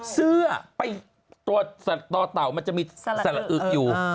เสื้อตัวต่อเต่ามันจะมีสระอึกอยู่